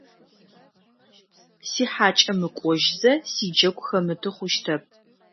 Сихьакӏэ мыкӏожьзэ сиджэгу хэмыты хъущтэп.